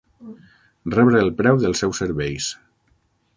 Rebre el preu dels seus serveis.